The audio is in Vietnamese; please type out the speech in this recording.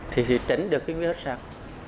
thì chỉ chỉnh được cái nguyên thức sặc